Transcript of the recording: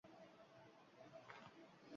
Ammo boshqa usullarda - arzonroq va samaraliroq